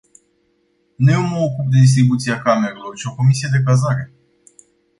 Nu eu mă ocup de distribuția camerelor, ci o comisie de cazare.